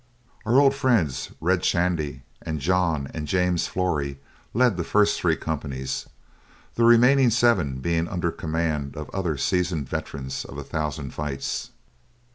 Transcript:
Our old friends Red Shandy, and John and James Flory led the first three companies, the remaining seven being under command of other seasoned veterans of a thousand fights.